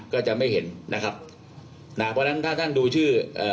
ก็จะไม่เห็นนะครับนะเพราะฉะนั้นถ้าท่านดูชื่อเอ่อ